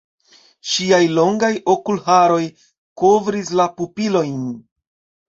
Ŝiaj longaj okulharoj kovris la pupilojn.